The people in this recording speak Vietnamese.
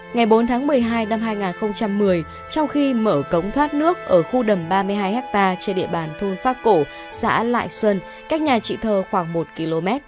ngày bốn tháng một mươi hai năm hai nghìn một mươi trong khi mở cống thoát nước ở khu đầm ba mươi hai ha trên địa bàn thôn pháp cổ xã lại xuân cách nhà chị thơ khoảng một km